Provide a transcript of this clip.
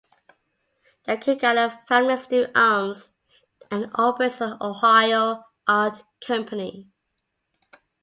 The Killgallon family still owns and operates the Ohio Art Company.